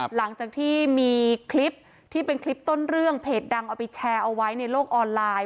หลังจากที่มีคลิปที่เป็นคลิปต้นเรื่องเพจดังเอาไปแชร์เอาไว้ในโลกออนไลน์